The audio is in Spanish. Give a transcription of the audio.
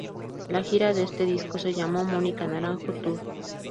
La gira de este disco se llamó "Mónica Naranjo Tour".